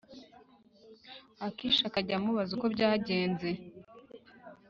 akishi akajya amubaza uko byajyenze